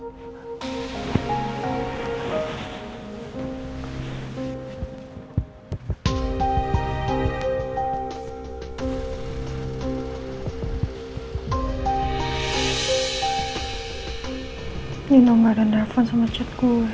hai di nomor handphone sama cek gue